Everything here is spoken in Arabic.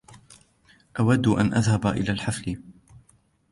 أود أن أذهب إلى الحفل.